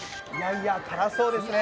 辛そうですね。